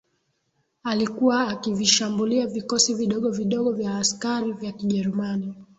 alikuwa akivishambulia vikosi vidogo vidogo vya askari vya Kijerumani